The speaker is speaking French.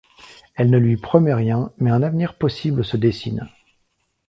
Elle ne lui promet rien, mais un avenir possible se dessine.